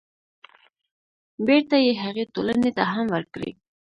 بېرته يې هغې ټولنې ته هم ورکړي.